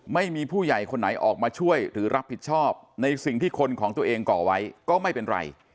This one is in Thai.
ไม่มีผู้ใหญ่คนไหนออกมาช่วยหรือรับผิดชอบในสิ่งที่คนของตัวเองก่อไว้ก็ไม่เป็นไร